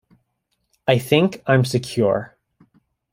I think I'm secure.